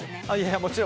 もちろん。